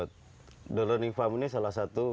the learning farm ini salah satu